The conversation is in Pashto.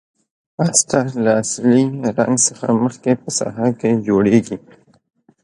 استر له اصلي رنګ څخه مخکې په ساحه کې جوړیږي.